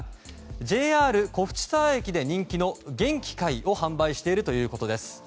ＪＲ小淵沢駅で人気の元気甲斐を販売しているということです。